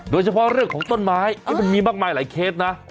โดยเฉพาะเรื่องของต้นไม้มันมีมากมายหลายเคสนะ